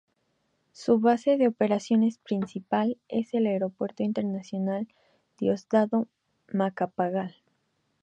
Su base de operaciones principal es el Aeropuerto Internacional Diosdado Macapagal.